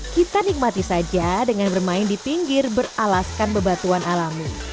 kita nikmati saja dengan bermain di pinggir beralaskan bebatuan alami